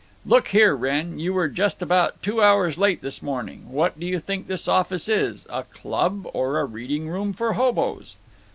"Look here, Wrenn; you were just about two hours late this morning. What do you think this office is? A club or a reading room for hoboes?